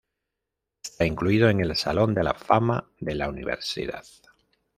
Está incluido en el Salón de la Fama de la universidad.